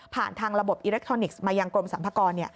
ผ่านทางระบบอิเล็กทรอนิกส์มายังกรมสัมภาคอล